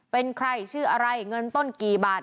เป็นใครชื่ออะไรเงินต้นกี่บาท